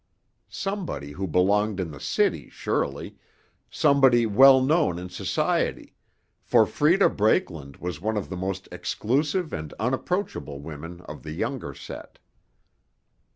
Somebody who belonged in the city, surely, somebody well known in society, for Freda Brakeland was one of the most exclusive and unapproachable women of the younger set.